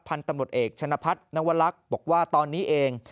พันธุ์ตำรวจเอกชนะพัฒนวลักษณ์บอกว่าตอนนี้เอง